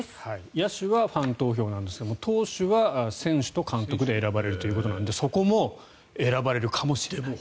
野手はファン投票ですが投手は選手と監督で選ばれるということなのでそこも選ばれるかもしれないと。